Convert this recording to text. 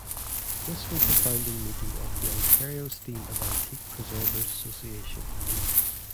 This was the founding meeting of the Ontario Steam and Antique Preservers' Association.